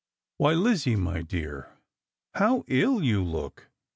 " Why, Lizzie, my dear, how ill you look